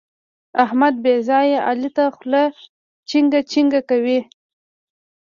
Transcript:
احمد بې ځايه علي ته خوله چينګه چینګه کوي.